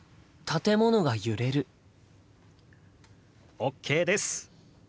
ＯＫです！